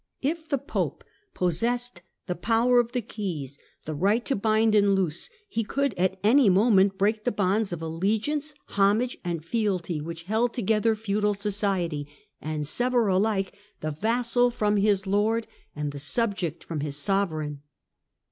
If the Pope possessed " the power of the Keys," the right to bind and loose, he could at any moment break the bonds of allegiance, homage, and fealty which held together feudal society, and sever alike the vassal from his lord and the subject from his sovereign.